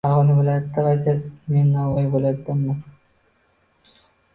Farg'ona viloyatidagi vaziyat Men Navoiy viloyatidaman